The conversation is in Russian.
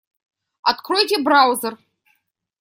Откройте браузер.